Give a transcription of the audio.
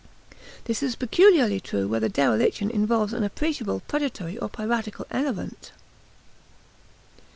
This is peculiarly true where the dereliction involves an appreciable predatory or piratical element.